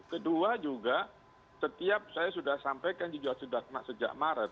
kedua juga setiap saya sudah sampaikan di jodoh sudakma sejak maret